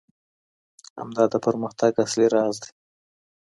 همدا د پرمختګ اصلي راز دی.